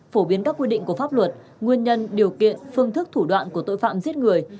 phổ biến các quy định của pháp luật nguyên nhân điều kiện phương thức thủ đoạn của tội phạm giết người